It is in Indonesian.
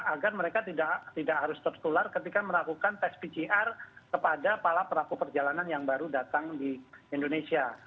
agar mereka tidak harus tertular ketika melakukan tes pcr kepada para pelaku perjalanan yang baru datang di indonesia